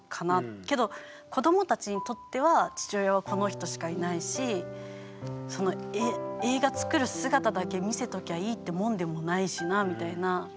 けど子どもたちにとっては父親はこの人しかいないし映画つくる姿だけ見せときゃいいってもんでもないしなみたいな。